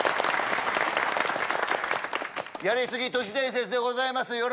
やりすぎ都市伝説でございます